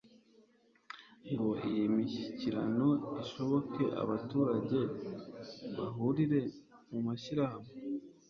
ngo iyi mishyikirano ishoboke, abaturage bahurira mu mashyirahamwe